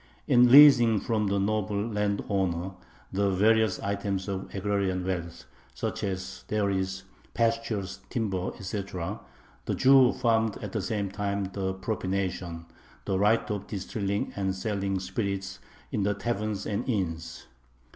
In leasing from the noble landowner the various items of agrarian wealth, such as dairies, pastures, timber, etc., the Jew farmed at the same time the "propination," the right of distilling and selling spirits in the taverns and inns.